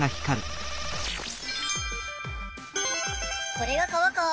これが川か！